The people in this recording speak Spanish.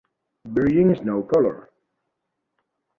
Virgin Snow Color